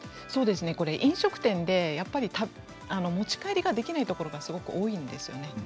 飲食店で持ち帰りができないところがすごく多いですよね。